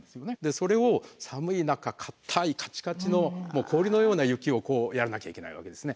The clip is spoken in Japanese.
それを寒い中固いカチカチの氷のような雪をこうやらなきゃいけないわけですね。